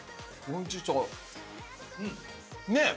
うん！ねえ？